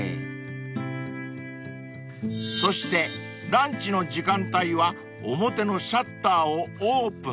［そしてランチの時間帯は表のシャッターをオープン］